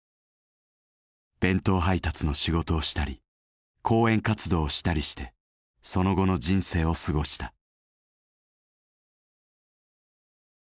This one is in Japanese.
弁当配達の仕事をしたり講演活動をしたりしてその後の人生を過ごした。